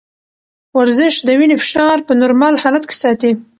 ورزش د وینې فشار په نورمال حالت کې ساتي.